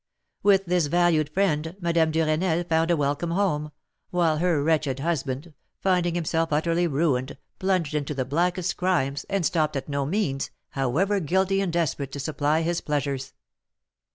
With this valued friend Madame Duresnel found a welcome home, while her wretched husband, finding himself utterly ruined, plunged into the blackest crimes, and stopped at no means, however guilty and desperate, to supply his pleasures.